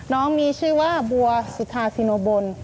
น้องมีชื่อว่าบัวสุธาซิโนบล